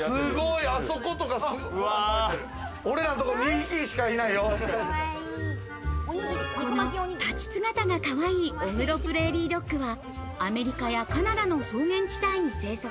俺らんとこ、２匹しかいないこの立ち姿がかわいいオグロプレーリードッグは、アメリカやカナダの草原地帯に生息。